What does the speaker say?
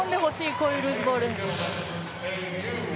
こういうルーズボール。